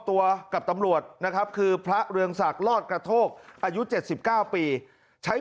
ตัวกับตำรวจนะครับคือพระเรืองศักดิ์รอดกระโทกอายุ๗๙ปีใช้